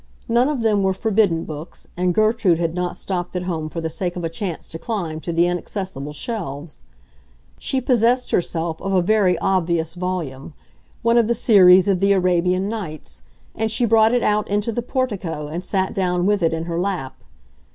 None of them were forbidden books, and Gertrude had not stopped at home for the sake of a chance to climb to the inaccessible shelves. She possessed herself of a very obvious volume—one of the series of the Arabian Nights—and she brought it out into the portico and sat down with it in her lap.